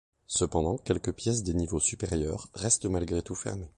Cependant quelques pièces des niveaux supérieurs restent malgré tout fermées.